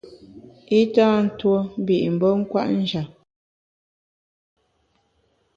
I tâ ntuo mbi’ mbe kwet njap.